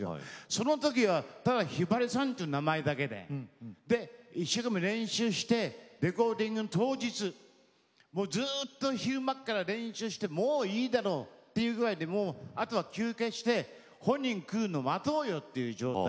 その時はただひばりさんという名前だけで。で一生懸命練習してレコーディングの当日もうずっと昼間から練習してもういいだろうっていうぐらいであとは休憩して本人来るのを待とうよっていう状態だったの。